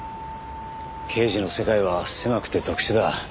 刑事の世界は狭くて特殊だ。